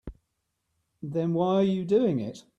Then why are you doing it?